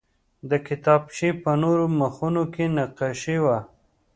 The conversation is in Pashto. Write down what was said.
د کتابچې په نورو مخونو کې نقاشي وه